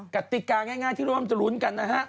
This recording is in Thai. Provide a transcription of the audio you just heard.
กติกาง่ายที่ร่วมจะลุ้นกันนะฮะ